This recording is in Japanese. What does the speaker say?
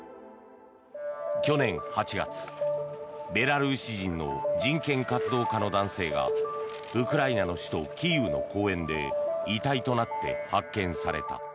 去年８月、ベラルーシ人の人権活動家の男性がウクライナの首都キーウの公園で遺体となって発見された。